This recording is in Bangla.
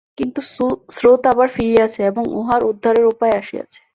কিন্তু স্রোত আবার ফিরিয়াছে এবং উহার উদ্ধারের উপায় আসিয়াছে।